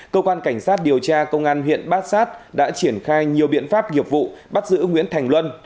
cơ quan cảnh sát điều tra công an huyện bát sát đã triển khai nhiều biện pháp nghiệp vụ bắt giữ nguyễn thành luân